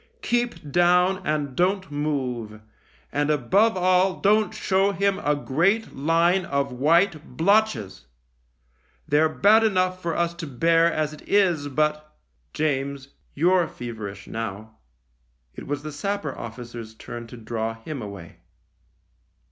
Keep down and don't move, and above all don't show him a great line of white blotches. They're bad enough for us to bear as it is, but "" James, you're feverish now." It was the sapper officer's turn to draw him away.